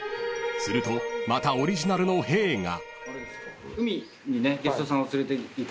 ［するとまたオリジナルのへぇーが］